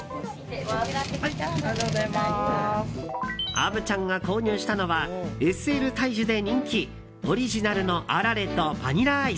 虻ちゃんが購入したのは「ＳＬ大樹」で人気オリジナルのあられとバニラアイス。